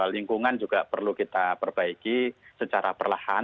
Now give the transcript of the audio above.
lingkungan juga perlu kita perbaiki secara perlahan